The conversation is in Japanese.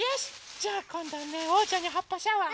じゃあこんどはねおうちゃんにはっぱシャワーね。